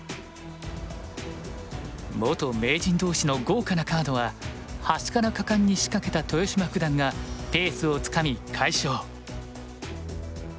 元名人同士の豪華なカードは端から果敢に仕掛けた豊島九段がペースをつかみ快勝。